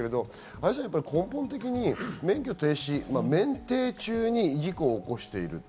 愛さん、根本的に免停中に事故を起こしている。